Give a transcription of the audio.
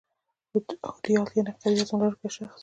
هوډیال یعني قوي عظم لرونکی شخص